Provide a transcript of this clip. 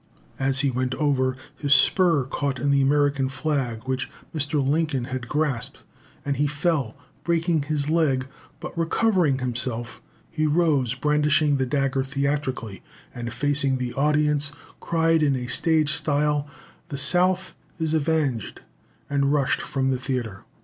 As he went over, his spur caught in the American flag which Mr. Lincoln had grasped, and he fell, breaking his leg; but, recovering himself, he rose, brandishing the dagger theatrically, and, facing the audience, cried in stage style, "The South is avenged," and rushed from the theatre.